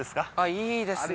いいですね